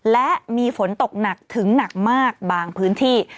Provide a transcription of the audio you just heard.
และมีฝนตกหนักถึงหนักมากบางพื้นที่